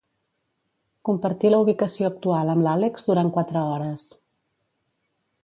Compartir la ubicació actual amb l'Àlex durant quatre hores.